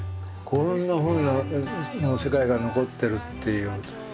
こんなふうな世界が残ってるっていう。